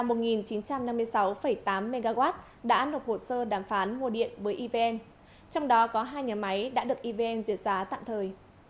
một chín trăm năm mươi sáu tám mw đã nộp hồ sơ đàm phán mua điện với evn trong đó có hai nhà máy đã được evn duyệt giá tạm thời